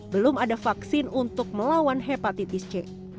belum ada vaksin untuk melawan hepatitis c